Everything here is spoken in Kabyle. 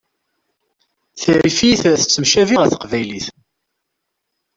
Tarifit tettemcabi ɣer teqbaylit.